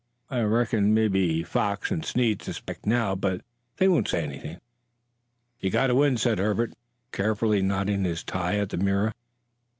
I reckon mebbe Foxy and Snead suspect now, but they won't say anything." "You've got to win," said Herbert, carefully knotting his tie at the mirror.